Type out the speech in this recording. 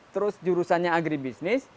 terus jurusannya agribisnis